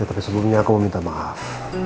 ya tapi sebelumnya aku mau minta maaf